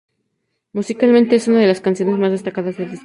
Musicalmente, es una de las canciones más destacadas del disco.